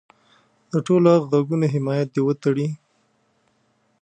د ټولو هغه غږونو حمایت دې وتړي.